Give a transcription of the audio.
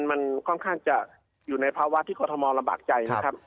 มันค่อนข้างจะอยู่ในภาวะที่กรทมลำบากใจนะครับ